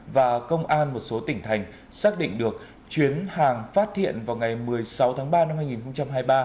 và công an một số tỉnh thành xác định được chuyến hàng phát hiện vào ngày một mươi sáu tháng ba năm hai nghìn hai mươi ba